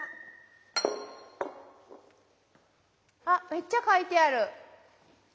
あっめっちゃ書いてある。